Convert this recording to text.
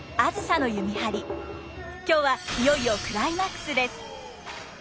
今日はいよいよクライマックスです。